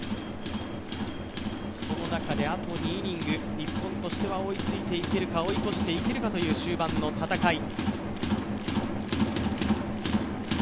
その中であと２イニング日本としては追いついていけるか追い越していけるかという終盤の戦い。